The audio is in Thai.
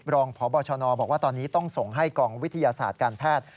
รองพบชนบอกว่าตอนนี้ต้องส่งให้กองวิทยาศาสตร์การแพทย์